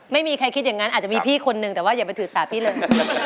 ไม่มีใครคิดอย่างนั้นอาจจะมีพี่คนนึงแต่ว่าอย่าไปถือสาพี่เลย